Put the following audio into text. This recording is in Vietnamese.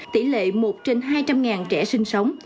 tỷ lệ một trên hai trăm linh trẻ sinh sống